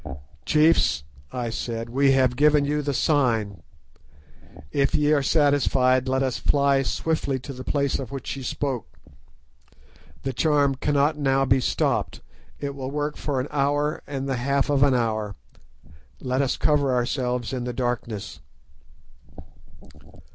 "Chiefs," I said, "we have given you the sign. If ye are satisfied, let us fly swiftly to the place of which ye spoke. The charm cannot now be stopped. It will work for an hour and the half of an hour. Let us cover ourselves in the darkness."